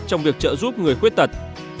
trong việc trợ giúp người khuyết tật